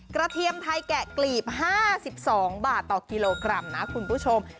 กระเทียมไทยแกะกลีบ๕๒บาทต่อกิโลกรัม